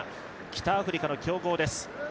北アフリカの強豪です。